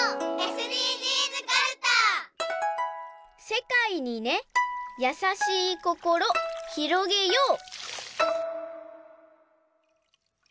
「せかいにねやさしいこころひろげよう」。